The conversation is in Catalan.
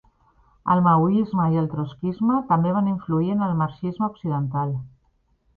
El maoisme i el trotskisme també van influir en el marxisme occidental.